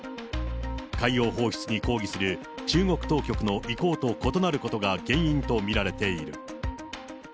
海洋放出に抗議する中国当局の意向と異なることが原因と見られている。